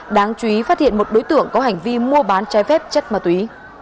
đáng chú ý phát hiện một đối tượng có hành vi mua bán trái phép chất ma túy